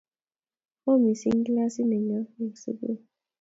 oo mising kilasit nenyoo eng sukul